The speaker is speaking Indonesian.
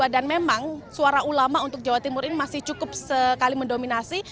dan memang suara ulama untuk jawa timur ini masih cukup sekali mendominasi